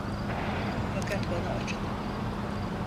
Fakat bana acıdı…